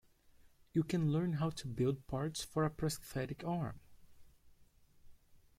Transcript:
You can learn how to build parts for a prosthetic arm.